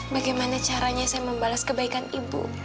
bagaimana caranya saya membalas kebaikan ibu